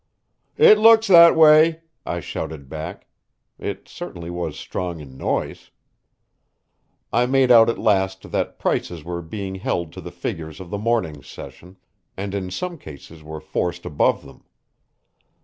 "It looks that way," I shouted back. It certainly was strong in noise. I made out at last that prices were being held to the figures of the morning's session, and in some cases were forced above them.